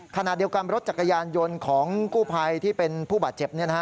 ขณะเดียวกันรถจักรยานยนต์ของกู้ภัยที่เป็นผู้บาดเจ็บ